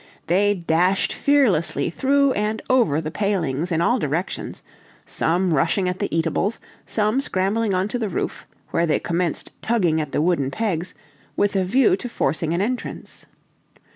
They dashed fearlessly through and over the palings in all directions, some rushing at the eatables, some scrambling on to the roof, where they commenced tugging at the wooden pegs, with a view to forcing an entrance.